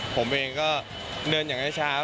ผมเองก็เดินอย่างนั้นเช้า